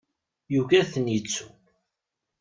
Yugi ad ten-yettu.